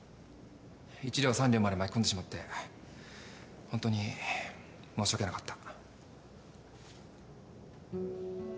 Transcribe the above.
一寮三寮まで巻き込んでしまってホントに申し訳なかった。